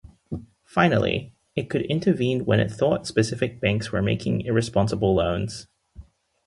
Finally, it could intervene when it thought specific banks were making irresponsible loans.